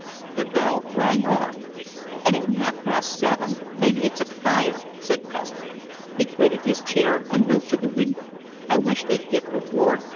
The bell rang on. "It ain't half past seven yet. Maybe it's a fire!" said Custer. He quitted his chair and moved to the window. "I wish they'd give the ward.